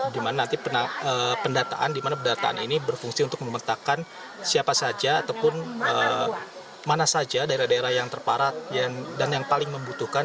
di mana nanti pendataan di mana pendataan ini berfungsi untuk memetakan siapa saja ataupun mana saja daerah daerah yang terparat dan yang paling membutuhkan